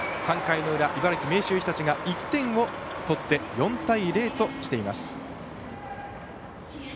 ３回の裏茨城、明秀日立が１点を取って４対０としています。